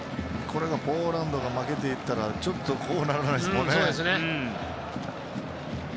これがポーランドが負けていたらこうはならないですもんね。